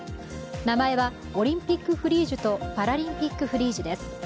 名前は、オリンピック・フリージュとパラリンピック・フリージュです。